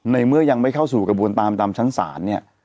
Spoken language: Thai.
เมื่อยังไม่เข้าสู่กระบวนตามตามชั้นศาลเนี่ย